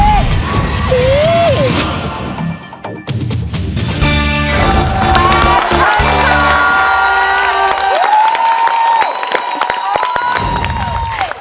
ครับค่ะ